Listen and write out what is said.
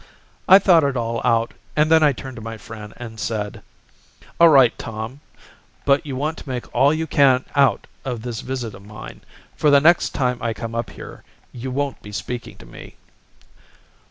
I thought it all out and then I turned to my friend and said, "'All right, Tom, but you want to make all you can out of this visit of mine. For the next time I come up here you won't be speaking to me.'